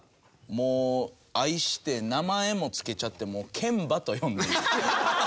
もう愛して名前も付けちゃって「健ンバ」と呼んでいる。